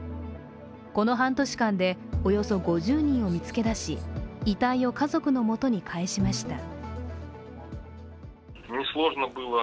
この半年間で、およそ５０人を見つけ出し遺体を家族のもとに返しました。